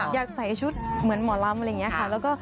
อยากใส่ชุดเหมือนหมอลำอะไรอย่างนี้ค่ะ